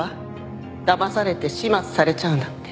だまされて始末されちゃうんだって。